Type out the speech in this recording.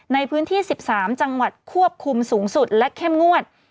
ในพื้นที่๑๓จังหวัดควบคุมสูงสุดและเข้มงวด